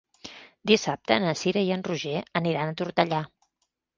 Dissabte na Cira i en Roger aniran a Tortellà.